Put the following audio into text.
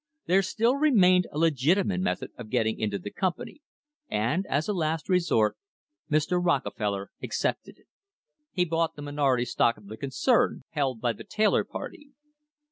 There still remained a legitimate method of getting into the company, and, as a last resort, Mr. Rockefeller accepted it. He bought the minority stock of the concern, held by the Taylor party.